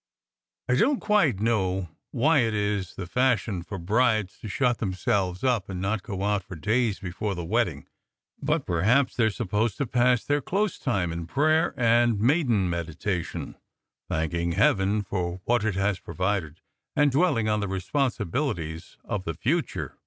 I don t quite know why it is the fashion for brides to shut themselves up and not "go out" for days before the wedding; but perhaps they are supposed to pass their close time in prayer and maiden meditation, thank ing heaven for what it has provided, and dwelling on the responsibilities of the future.